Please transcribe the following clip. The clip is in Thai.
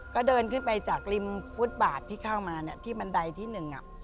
ก็เดินขึ้นไปจากริมฟุตบาทที่เข้ามาเนี่ยที่บันไดที่หนึ่ง